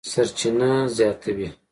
سرچینه زیاتوي،